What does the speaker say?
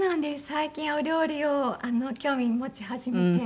最近お料理を興味持ち始めて。